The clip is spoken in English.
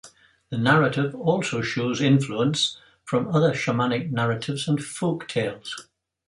The narrative also shows influence from other shamanic narratives and from folktales.